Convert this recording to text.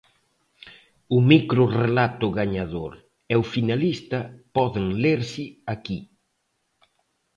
O microrrelato gañador e o finalista poden lerse aquí.